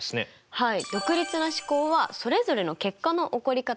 はい。